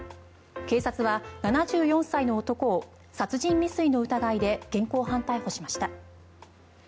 警察は７４歳の男を殺人未遂の疑いで現行犯逮捕しました。